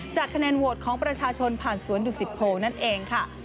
จากคะแนนโวทของประชาชนผ่านสวนดุสิทธิ์โพลนั่นเองค่ะ